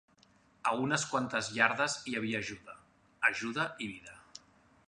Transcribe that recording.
A unes quantes iardes hi havia ajuda: ajuda i vida.